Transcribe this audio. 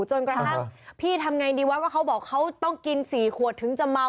จนกระทั่งพี่ทำไงดีวะก็เขาบอกเขาต้องกิน๔ขวดถึงจะเมา